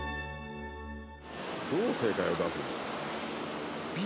「どう正解を出すの？」